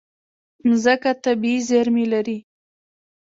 مځکه طبیعي زیرمې لري.